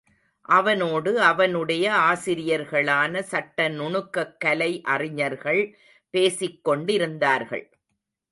அவனோடு அவனுடைய ஆசிரியர்களான சட்டநுணுக்கக்கலை அறிஞர்கள் பேசிக் கொண்டிருந்தார்கள்.